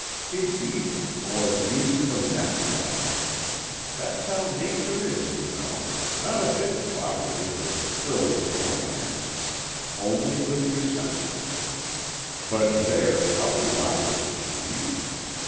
He'd eat it or use it for nest lining. That's how Nature is, you know, not a bit cooperative with the frills of romance, only with the essentials but there, how cooperative indeed!